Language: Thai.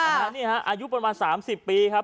นี่ฮะอายุประมาณ๓๐ปีครับ